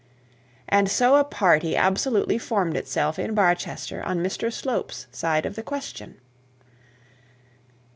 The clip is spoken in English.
And so a party absolutely formed itself in Barchester on Mr Slope's side of the question!